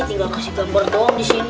bila gue kasih gambar doang disini nih